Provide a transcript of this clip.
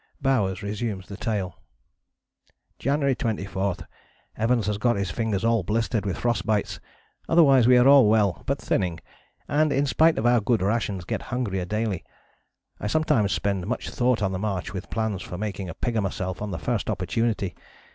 " Bowers resumes the tale: "January 24. Evans has got his fingers all blistered with frost bites, otherwise we are all well, but thinning, and in spite of our good rations get hungrier daily. I sometimes spend much thought on the march with plans for making a pig of myself on the first opportunity.